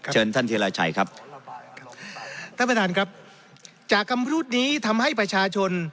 เชิญท่านธิราชัยครับท่านประธานครับจากคำพูดนี้ทำให้ประชาชน